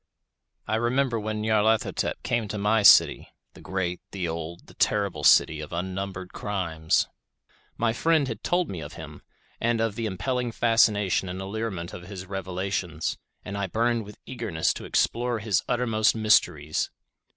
I remember when Nyarlathotep came to my city—the great, the old, the terrible city of unnumbered crimes. My friend had told me of him, and of the impelling fascination and allurement of his revelations, and I burned with eagerness to explore his uttermost mysteries.